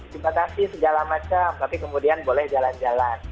dibatasi segala macam tapi kemudian boleh jalan jalan